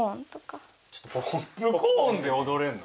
ポップコーンでおどれんの？